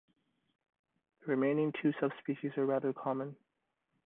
The remaining two subspecies are rather common.